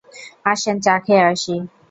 আসেন চা খেয়ে আসি।